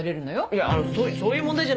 いやそういう問題じゃないと。